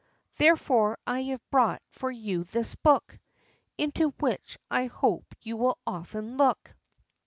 Therefore I have brought for you this book, Into which I hope you will often look.